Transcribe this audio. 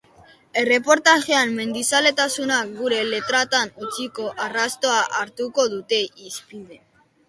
Erreportajean, mendizaletasunak gure letretan utzitako arrastoa hartuko dute hizpide.